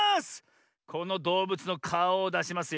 このどうぶつのかおをだしますよ。